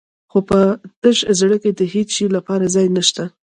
خو په تش زړه کې د هېڅ شي لپاره ځای نه شته.